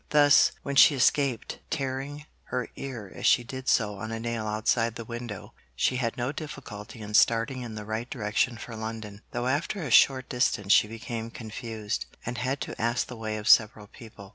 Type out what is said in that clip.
Thus, when she escaped, tearing her ear as she did so on a nail outside the window, she had no difficulty in starting in the right direction for London, though after a short distance she became confused, and had to ask the way of several people.